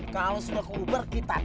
kalau suka kuber kita tanya